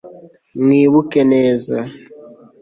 mwibuke neza